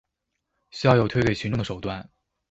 需要有推給群眾的手段